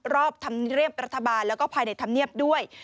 รอบธรรมเนียบรัฐบาลแล้วก็ภายในธรรมเนียบด้วย